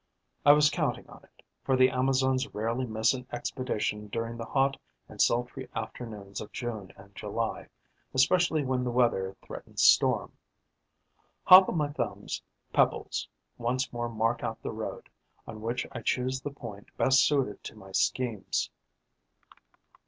I was counting on it, for the Amazons rarely miss an expedition during the hot and sultry afternoons of June and July, especially when the weather threatens storm. Hop o' my Thumb's pebbles once more mark out the road, on which I choose the point best suited to my schemes.